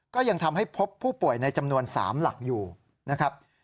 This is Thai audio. ก็ยังทำให้พบผู้ป่วยในจำนวน๓หลักอยู่นะครับ